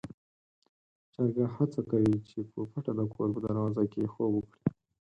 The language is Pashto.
چرګ هڅه کوي چې په پټه د کور په دروازه کې خوب وکړي.